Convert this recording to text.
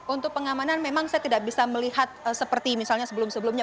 untuk pengamanan memang saya tidak bisa melihat seperti misalnya sebelum sebelumnya